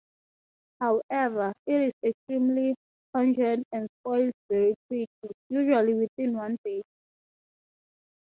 However, it is extremely pungent and spoils very quickly, usually within one day.